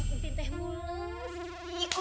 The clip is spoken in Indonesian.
untuk ente teh mulus